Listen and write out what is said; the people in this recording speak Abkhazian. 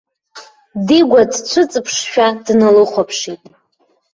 Дигәа дцәыҵыԥшшәа дналыхәаԥшит.